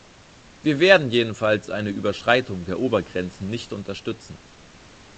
Wir werden jedenfalls eine Überschreitung der Obergrenzen nicht unterstützen.